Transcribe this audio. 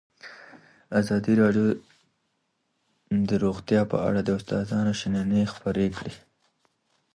ازادي راډیو د روغتیا په اړه د استادانو شننې خپرې کړي.